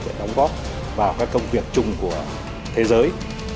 để đóng góp vào các công việc chung của thế giới